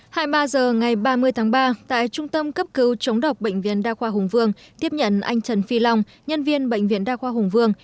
hai mươi ba h ngày ba mươi tháng ba tại trung tâm cấp cứu chống độc bệnh viện đa khoa hùng vương tiếp nhận anh trần phi long nhân viên bệnh viện đa khoa hùng vương